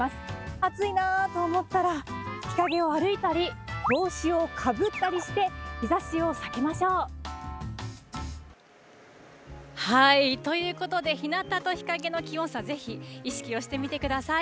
暑いなと思ったら、日陰を歩いたり、帽子をかぶったりして、日ざしを避けましょう。ということで、ひなたと日陰の気温差、ぜひ意識をしてみてください。